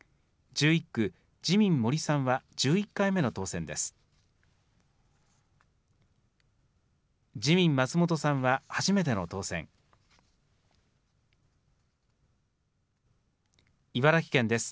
１１区、自民、森さんは１１回目の当選です。